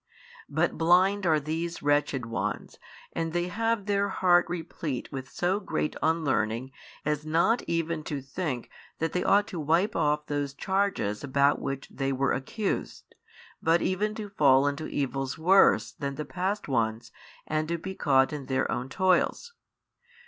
But blind are these wretched ones and they have their heart replete with so great unlearning as not even to think that they ought to wipe off those charges about which they were accused, but even to fall into evils worse than the past ones and to be caught in their own toils.